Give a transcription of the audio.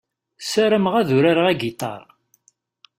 Sarameɣ ad urareɣ agiṭar.